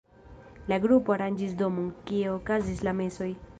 La grupo aranĝis domon, kie okazis la mesoj.